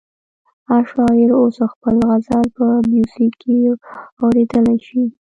هر شاعر اوس خپل غزل په میوزیک کې اورېدلی شي.